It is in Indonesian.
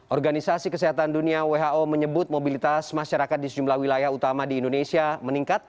organisasi kesehatan dunia who menyebut mobilitas masyarakat di sejumlah wilayah utama di indonesia meningkat